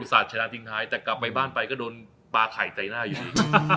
สาดชนะทิ้งท้ายแต่กลับไปบ้านไปก็โดนปลาไข่ใจหน้าอยู่ดี